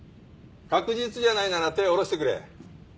確実じゃないなら手下ろしてくれ。